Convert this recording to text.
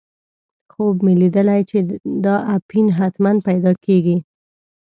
خوب مې لیدلی چې دا اپین حتماً پیدا کېږي.